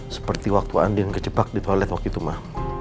seperti waktu andin kecebak di toilet waktu itu mah